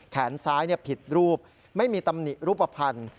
แขนซ้ายผิดรูปไม่มีตำหนิรูปภัณฑ์